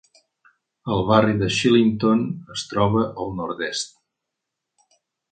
El barri de Shillington es troba al nord-est.